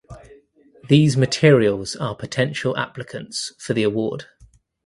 These materials are potential applicants for the award.